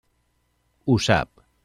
Ho sap.